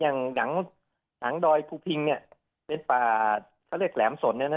อย่างหนังดอยภูพิงเนี่ยเป็นป่าเขาเรียกแหลมสนเนี่ยนะ